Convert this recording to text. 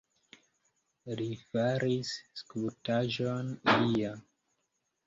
Li faris skulptaĵon ia.